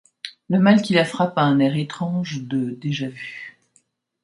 Le mal qui la frappe a un air étrange de déjà-vu.